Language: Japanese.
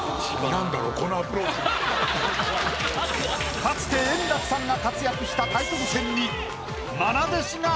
かつて円楽さんが活躍したタイトル戦に。